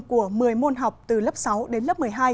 của một mươi môn học từ lớp sáu đến lớp một mươi hai